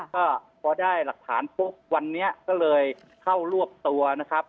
ก็พอได้หลักฐานปุ๊บวันนี้ก็เลยเข้ารวบตัวนะครับ